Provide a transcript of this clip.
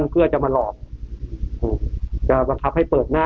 เพื่อจะมาหลอกอืมจะความไปเปิดหน้า